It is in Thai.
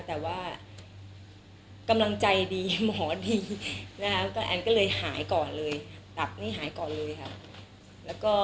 แต่ว่ากำลังใจดีหมอดีอันนี้ก็หายก่อนเลยตับนี่หายก่อนเลยค่ะ